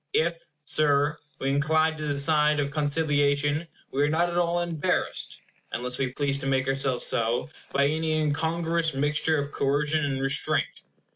If, Sir, we incline to the side of conciliation, we are not at all embarrassed (unless we please to make ourselves so) by any incongruous mixture of coercion and restraint.